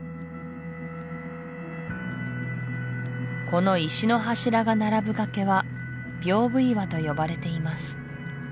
この石の柱が並ぶ崖は屏風岩と呼ばれています